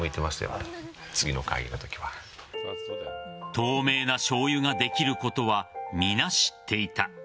透明なしょうゆができることは皆、知っていた。